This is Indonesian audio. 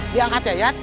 diangkat ya yat